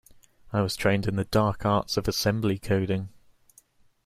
I was trained in the dark arts of assembly coding.